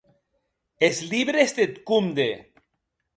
Es libres deth comde.